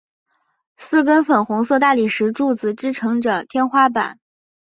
四根粉红色大理石柱子支持着天花板。